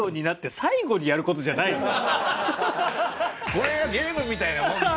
これはゲームみたいなもんですよ。